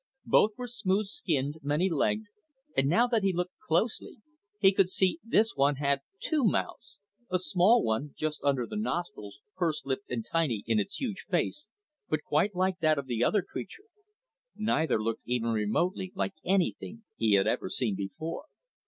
Both were smooth skinned, many legged, and now that he looked closely he could see this one had two mouths, a small one just under the nostrils, purse lipped and tiny in its huge face but quite like that of the other creature. Neither looked even remotely like anything he had ever seen before.